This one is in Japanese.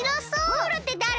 ムールってだれ？